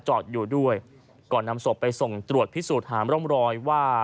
จอดอยู่ด้วยก่อนนำศพไปส่งตรวจพิสูจน์หามร่องรอยว่า